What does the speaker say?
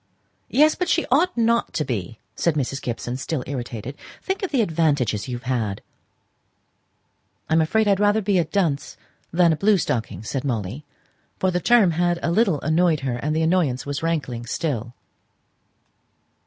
"Yes; but she ought not to be," said Mrs. Gibson, still irritated. "Think of the advantages you've had." "I'm afraid I had rather be a dunce than a blue stocking," said Molly; for the term had a little annoyed her, and the annoyance was rankling still.